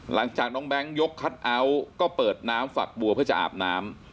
หลังจากน้องแบงค์ยกคัทเอาท์ก็เปิดน้ำฝักบัวเพื่อจะอาบน้ำ